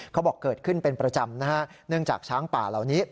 บอกเกิดขึ้นเป็นประจำนะฮะเนื่องจากช้างป่าเหล่านี้